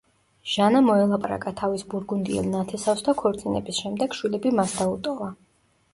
ჟანა მოელაპარაკა თავის ბურგუნდიელ ნათესავს და ქორწინების შემდეგ შვილები მას დაუტოვა.